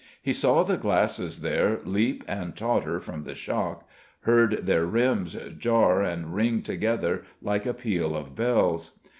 He saw the glasses there leap and totter from the shock, heard their rims jar and ring together like a peal of bells.